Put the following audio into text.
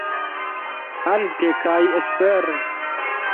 Alte kaj espere